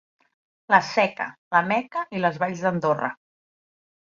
La Seca, la Meca i les Valls d'Andorra.